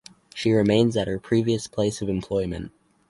She remains at her previous place of employment.